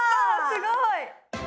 すごい！